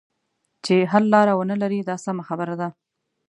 چې حل لاره ونه لري دا سمه خبره ده.